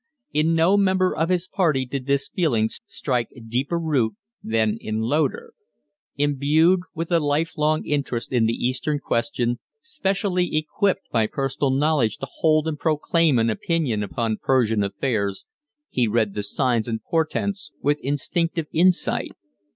In no member of his party did this feeling strike deeper root than in Loder. Imbued with a lifelong interest in the Eastern question, specially equipped by personal knowledge to hold and proclaim an opinion upon Persian affairs, he read the signs and portents with instinctive insight.